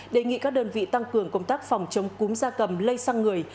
đề nghị các đơn vị tăng cường công tác phòng chống cúm da cầm lây sang người